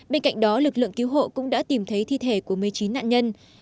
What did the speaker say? bên cạnh đó lực lượng cứu hộ cũng đã tìm thấy thi thể của một mươi chín nạn nhân